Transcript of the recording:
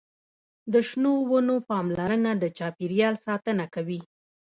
د شنو ونو پاملرنه د چاپیریال ساتنه کوي.